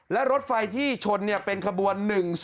และรถไฟที่ชนเป็นขบวน๑๐